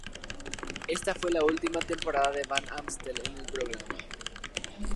Esta fue la ultima temporada de Van Amstel en el programa.